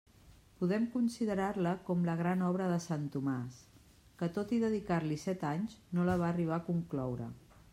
Podem considerar-la com la gran obra de sant Tomàs, que tot i dedicar-li set anys no la va arribar a concloure.